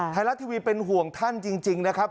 ไทยรัฐทีวีเป็นห่วงท่านจริงนะครับ